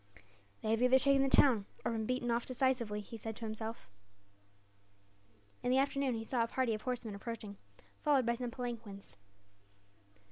"They have either taken the town, or been beaten off decisively," he said to himself. In the afternoon he saw a party of horsemen approaching, followed by some palanquins.